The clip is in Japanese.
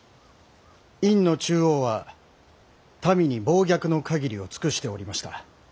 殷の紂王は民に暴虐の限りを尽くしておりました。